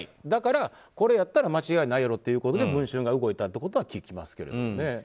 だからこれやったら間違いないやろということで「文春」が動いたことは聞きますけどね。